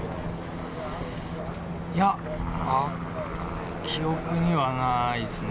いや、記憶にはないですね。